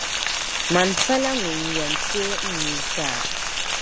Mani pala ŋun yɛn teei n nuu ti a.